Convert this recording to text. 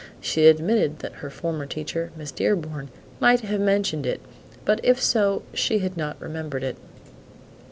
She admitted that her former teacher, Miss Dearborn, might have mentioned it, but if so she had not remembered it.